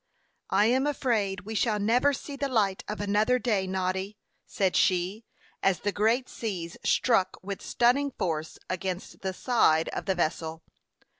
"I am afraid we shall never see the light of another day, Noddy," said she, as the great seas struck with stunning force against the side of the vessel.